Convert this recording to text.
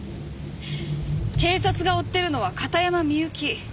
警察が追ってるのは片山みゆき。